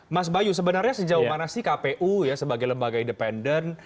mas bayu sebenarnya sejauh mana sih kpu ya sebagai lembaga independen